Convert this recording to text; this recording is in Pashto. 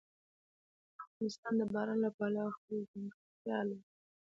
افغانستان د بارانونو له پلوه خپله ځانګړتیا لري.